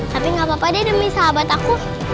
tapi gak apa apa deh demi sahabat aku